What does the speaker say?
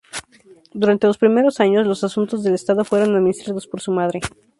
Durante los primeros años, los asuntos del estado fueron administrados por su madre.